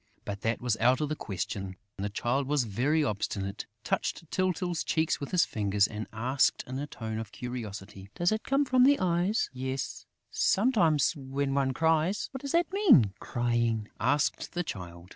But that was out of the question. The Child was very obstinate, touched Tyltyl's cheeks with his finger and asked, in a tone of curiosity: "Does it come from the eyes?..." "Yes, sometimes, when one cries." "What does that mean, crying?" asked the Child.